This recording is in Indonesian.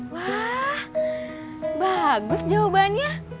wah bagus jawabannya